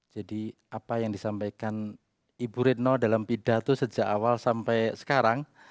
jadi apa yang disampaikan ibu rednaw dalam pidato sejak awal sampai sekarang